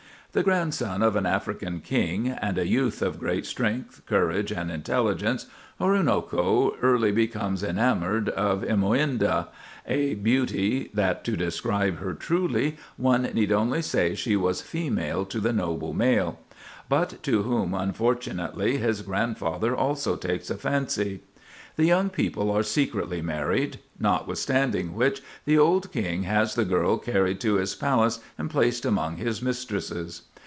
The grandson of an African king, and a youth of great strength, courage, and intelligence, Oroonoko early becomes enamored of Imoinda—"a beauty, that to describe her truly, one need only say she was female to the noble male,"—but to whom, unfortunately, his grandfather also takes a fancy. The young people are secretly married; notwithstanding which, the old king has the girl carried to his palace and placed among his mistresses.